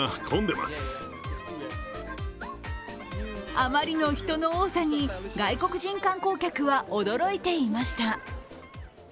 あまりの人の多さに外国人観光客は驚いていました。